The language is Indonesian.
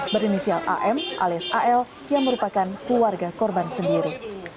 berinisial am alias al yang merupakan keluarga korban sendiri